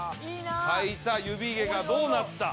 描いた指毛がどうなった？